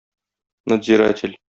Надзиратель.